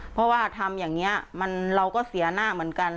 เพราะว่าทำอย่างนี้เราก็เสียหน้าเหมือนกัน